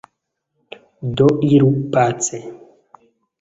Do iru pace!